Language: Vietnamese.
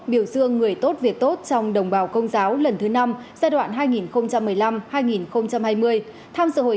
biểu dương người tốt việc tốt trong đồng bào công giáo lần thứ năm giai đoạn hai nghìn một mươi năm hai nghìn hai mươi tham sự hội